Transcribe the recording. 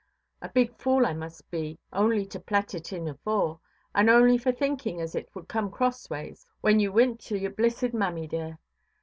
A big fool I must be only to plait it in afore, and only for thinkin' as it wud come crossways, when you wint to your blissed mammy, dear.